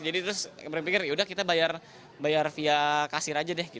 jadi terus berpikir yaudah kita bayar via kasir aja deh